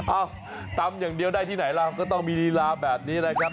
ตำอย่างเดียวได้ที่ไหนล่ะก็ต้องมีลีลาแบบนี้นะครับ